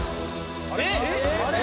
「あれ？